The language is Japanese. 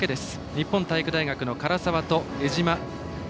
日本体育大学の柄澤と江島。